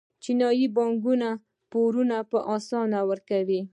چینايي بانکونه پورونه په اسانۍ ورکوي.